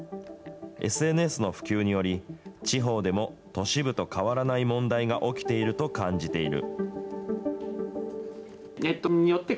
ＳＮＳの普及により、地方でも都市部と変わらない問題が起きていると感じている。